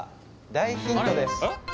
大ヒントです